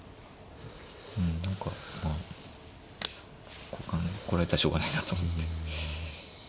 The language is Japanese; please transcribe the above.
うん何かまあこうかな。これやったらしょうがないなと思って。